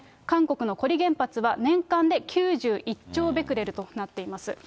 韓国のコリ原発は年間で９１兆ベクレルとなっています。